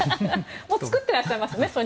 もう作ってらっしゃいますよね。